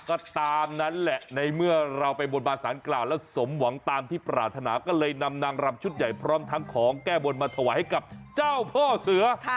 ก็ตามนั้นแหละในเมื่อเราไปบนบานสารกล่าวแล้วสมหวังตามที่ปรารถนาก็เลยนำนางรำชุดใหญ่พร้อมทั้งของแก้บนมาถวายให้กับเจ้าพ่อเสือ